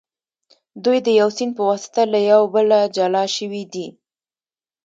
دوی د یو سیند په واسطه له یو بله جلا شوي دي.